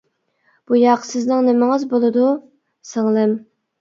— بۇ ياق سىزنىڭ نېمىڭىز بولىدۇ؟ — سىڭلىم.